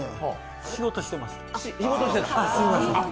仕事してました。